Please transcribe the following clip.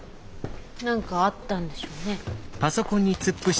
何かあったんでしょうね。